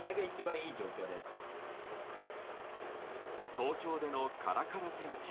東京でのカラカラ天気